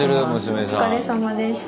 お疲れさまでした。